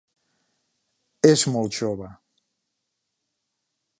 És molt jove.